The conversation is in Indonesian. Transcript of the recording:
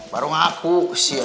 baru ngaku sih ya